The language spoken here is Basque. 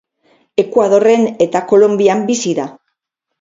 Ekuadorren eta Kolonbian bizi da.